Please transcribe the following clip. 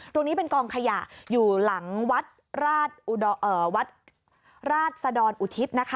ตรงนี้เป็นกองขยะอยู่หลังวัดราชสะดอนอุทิศนะคะ